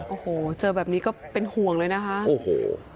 โอ้โหเจอแบบนี้ก็เป็นห่วงเลยนะคะโอ้โห